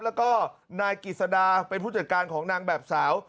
แล้วก็นายกิจสดาเป็นผู้จัดการของนางแบบสาว